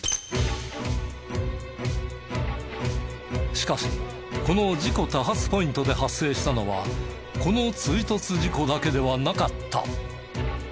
しかしこの事故多発ポイントで発生したのはこの追突事故だけではなかった。